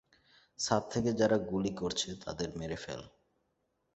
ছাদ থেকে যারা গুলি করছে তাদের মেরে ফেল!